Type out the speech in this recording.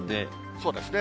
そうですね。